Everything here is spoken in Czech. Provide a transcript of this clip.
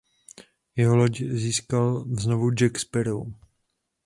Jeho loď získal znovu Jack Sparrow.